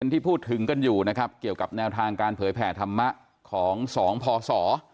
ที่พูดถึงกันอยู่นะครับเกี่ยวกับแนวทางการเผยแผ่ธรรมะของสองพศ